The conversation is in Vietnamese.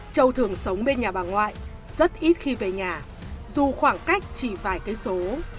châu thường sống bên nhà bà ngoại rất ít khi về nhà dù khoảng cách chỉ vài cây số